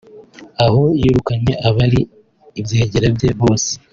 aho yirukanye abari ibyegera bye bose